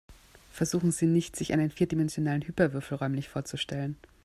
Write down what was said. Versuchen Sie nicht, sich einen vierdimensionalen Hyperwürfel räumlich vorzustellen.